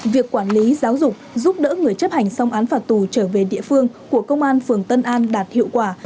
việc quản lý giáo dục giúp đỡ người chấp hành xong án phạt tù trở về địa phương của công an phường tân an đạt hiệu quả